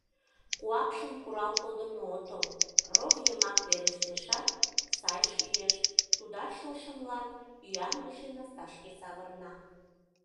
Куакшын курал кодымо отыл, рок йымак верештешат, сай шӱеш, тудат шошымлан ӱяҥдыше насташке савырна.